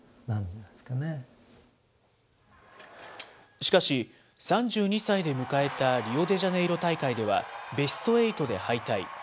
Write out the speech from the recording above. しかし、３２歳で迎えたリオデジャネイロ大会では、ベスト８で敗退。